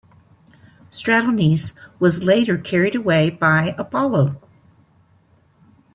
Stratonice was later carried away by Apollo.